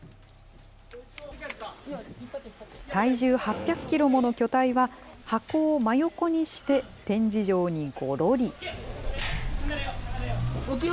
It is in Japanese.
体重８００キロもの巨体は、箱を真横にして展示場にごろり。